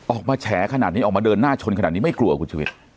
ออกมาแฉขนาดนี้ออกมาเดินหน้าชนขนาดนี้ไม่กลัวคุณชุวิต